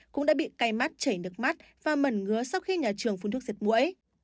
cũng đã bị cay mắt chảy nước mắt và mẩn ngứa sau khi nhà trường phun thuốc diệt mũi